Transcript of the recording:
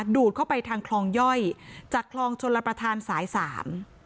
ดูดเข้าไปทางคลองย่อยจากคลองชนระประธานสายสาม